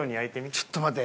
ちょっと待て。